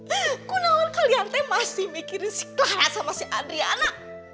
aku ngawur kalian tuh masih mikirin si clara sama si adriana